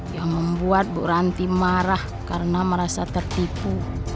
yang membuat bu ranti marah karena merasa tertipu